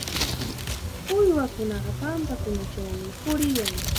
Uywakunaqa pampakunachawmi puriyan.